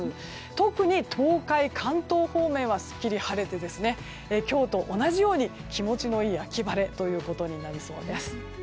特に東海・関東方面はすっきり晴れて今日と同じように気持ちのいい秋晴れとなりそうです。